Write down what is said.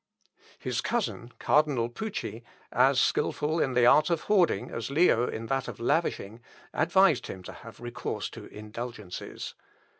His cousin, Cardinal Pucci, as skilful in the art of hoarding as Leo in that of lavishing, advised him to have recourse to indulgences.